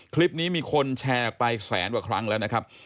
คลิปนี้มีคนแชร์ออกไปแสนกว่าครั้งแล้วนะครับ